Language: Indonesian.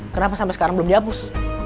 kenapa sampe sekarang belum diapus